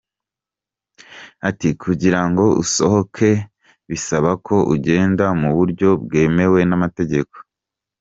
Ati “Kugira ngo usohoke bisaba ko ugenda mu buryo bwemewe n’amategeko.